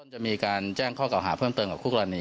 จะมีการแจ้งข้อเก่าหาเพิ่มเติมกับคู่กรณี